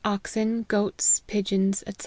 oxen, goats, pigeons, &c.